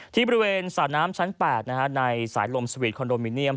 ที่บริเวณสระน้ำชั้น๘ในสายลมสวีทคอนโดมิเนียม